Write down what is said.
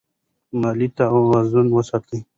مالي توازن وساتئ.